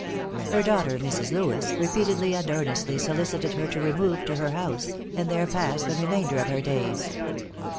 Her daughter, Mrs. Lewis, repeatedly and earnestly solicited her to remove to her house, and there pass the remainder of her days.